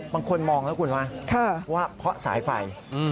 บางคนมองแล้วคุณว่าเพราะสายไฟ